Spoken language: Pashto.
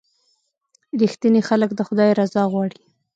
• رښتیني خلک د خدای رضا غواړي.